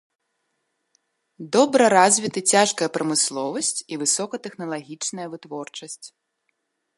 Добра развіты цяжкая прамысловасць і высокатэхналагічная вытворчасць.